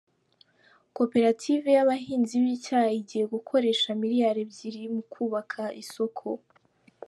Koperative yabahinzi bicyayi igiye gukoresha miriyali ebyiri mu kubaka isoko